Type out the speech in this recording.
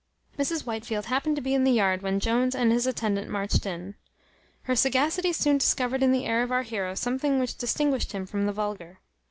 Mrs Whitefield happened to be in the yard when Jones and his attendant marched in. Her sagacity soon discovered in the air of our heroe something which distinguished him from the vulgar.